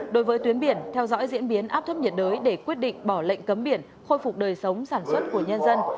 đối với tuyến biển theo dõi diễn biến áp thấp nhiệt đới để quyết định bỏ lệnh cấm biển khôi phục đời sống sản xuất của nhân dân